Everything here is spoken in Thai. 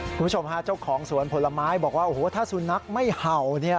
คุณผู้ชมฮะเจ้าของสวนผลไม้บอกว่าโอ้โหถ้าสุนัขไม่เห่าเนี่ย